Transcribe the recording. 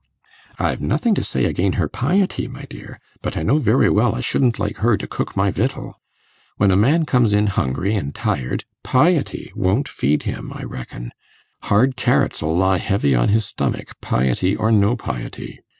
'I've nothing to say again' her piety, my dear; but I know very well I shouldn't like her to cook my victual. When a man comes in hungry an' tired, piety won't feed him, I reckon. Hard carrots 'ull lie heavy on his stomach, piety or no piety.